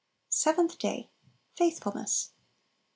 Seventh Day. Faithfulness.